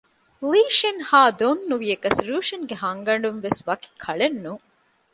ލީ ޝިން ހާ ދޮން ނުވިޔަސް ރޫޝިންގެ ހަންގަ ނޑުވެސް ވަކި ކަޅެއް ނޫން